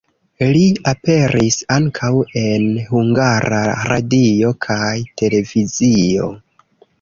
Li aperis ankaŭ en Hungara Radio kaj Televizio.